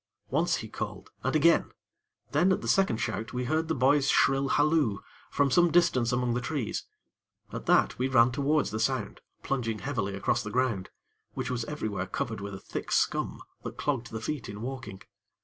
Once he called, and again; then at the second shout we heard the boy's shrill halloo, from some distance ahead among the trees. At that, we ran towards the sound, plunging heavily across the ground, which was every where covered with a thick scum, that clogged the feet in walking.